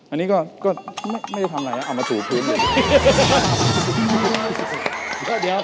อันนี้ก็ไม่ใช่ทำอะไรมันถูพื้น